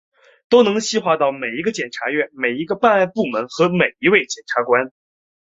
都能细化落到每一个检察院、每一个办案部门和每一位检察官